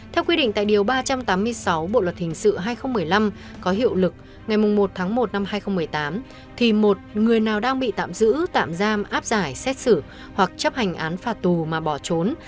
theo quy định tại điều ba trăm tám mươi sáu bộ luật hình sự hai nghìn một mươi năm có hiệu lực ngày một tháng một năm hai nghìn một mươi tám thì một người nào đang bị tạm giữ tạm giam áp giải xét xử hoặc chấp hành án phạt tù mà bỏ trốn